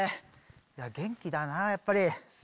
元気だなやっぱり。